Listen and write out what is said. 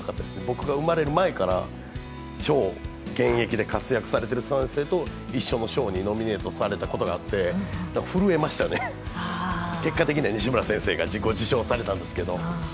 僕が生まれる前から超現役で活躍されている先生と一緒の賞にノミネートされたことがあって震えましたね、結果的には西村先生が受賞されたんですけど。